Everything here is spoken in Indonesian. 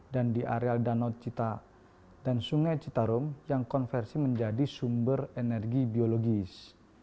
dan di areal danau cita dan sungai citarum yang konversi menjadi sumber energi biologis